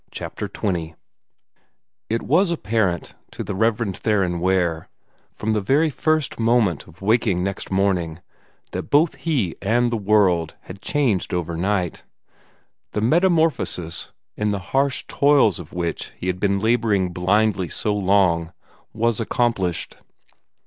CHAPTER XX It was apparent to the Rev. Theron Ware, from the very first moment of waking next morning, that both he and the world had changed over night. The metamorphosis, in the harsh toils of which he had been laboring blindly so long, was accomplished.